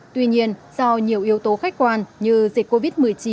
tuy nhiên do nhiều yếu tố khách quan như dịch covid một mươi chín